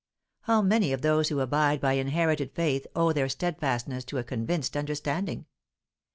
How many of those who abide by inherited faith owe their steadfastness to a convinced understanding?